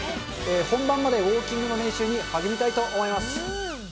本番までウオーキングの練習に励みたいと思います。